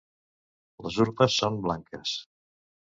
Les urpes són blanques.